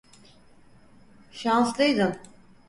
Şanslıydın.